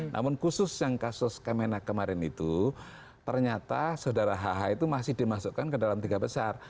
namun khusus yang kasus kemenak kemarin itu ternyata saudara hh itu masih dimasukkan ke dalam tiga besar